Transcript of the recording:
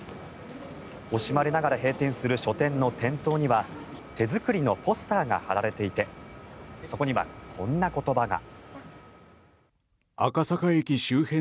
惜しまれながら閉店する書店の店頭には手作りのポスターが貼られていてそこにはこんな言葉が。